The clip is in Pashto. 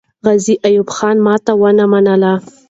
غازي ایوب خان ماتې ونه منله.